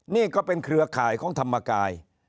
นี่ก็เป็นเครือข่ายของธรรมกาย